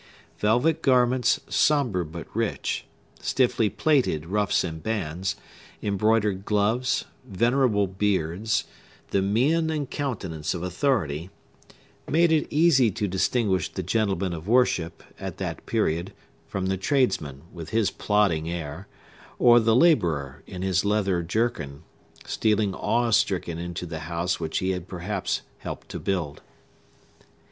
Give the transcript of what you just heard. Velvet garments sombre but rich, stiffly plaited ruffs and bands, embroidered gloves, venerable beards, the mien and countenance of authority, made it easy to distinguish the gentleman of worship, at that period, from the tradesman, with his plodding air, or the laborer, in his leathern jerkin, stealing awe stricken into the house which he had perhaps helped to build.